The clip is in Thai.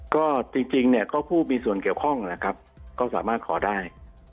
ก็จริงเนี่ยก็ผู้มีส่วนเกี่ยวข้องนะครับก็สามารถขอได้